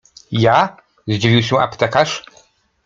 — Ja? — zdziwił się aptekarz.